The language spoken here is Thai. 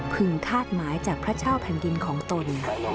คาดหมายจากพระเจ้าแผ่นดินของตน